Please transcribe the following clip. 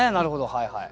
はいはい。